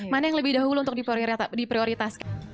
mana yang lebih dahulu untuk diprioritaskan